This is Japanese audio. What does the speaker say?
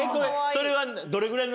それは。